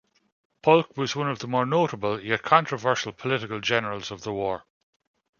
Polk was one of the more notable, yet controversial, political generals of the war.